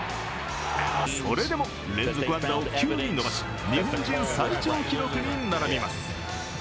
それでも連続安打を９に伸ばし日本人最長記録に並びます。